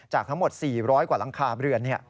ทั้งหมด๔๐๐กว่าหลังคาเรือน